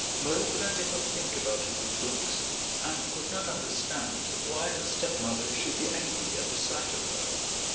Marouckla did not think about her good looks, and could not understand why her stepmother should be angry at the sight of her.